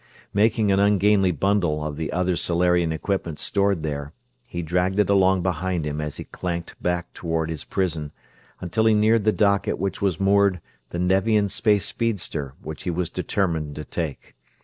Making an ungainly bundle of the other Solarian equipment stored there, he dragged it along behind him as he clanked back toward his prison, until he neared the dock at which was moored the Nevian space speedster which he was determined to take.